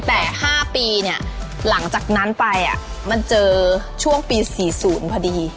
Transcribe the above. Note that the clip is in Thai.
แต่๕ปีเนี่ยหลังจากนั้นไปมันเจอช่วงปี๔๐พอดี